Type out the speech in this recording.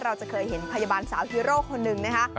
เราจะเคยเห็นพยาบาลสาวฮีโร่คนหนึ่งนะคะ